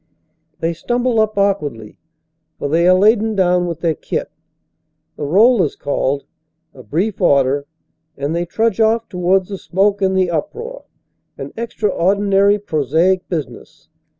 They stumble up awkwardly, for they are laden down with their kit. The roll is called, a brief order, and they trudge off toward the smoke and the uproar an extraordinary prosaic business.